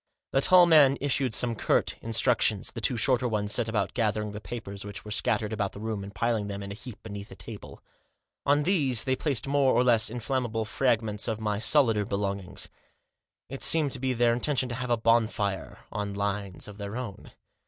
The tall man issued some curt instructions. The two shorter ones set about gathering the papers which were scattered about the room, and piling them in a heap beneath the table. On these they placed more or less inflammable fragments of my solider belongings. It seemed to be their intention to have a bonfire on lines of their own.